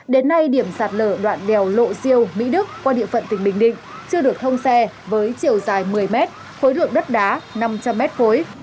đến nay điểm sạt lở đoạn đèo lội siêu mỹ đức qua địa phận tỉnh bình định chưa được thông xe với chiều dài một mươi mét khối lượng đất đá năm trăm linh mét khối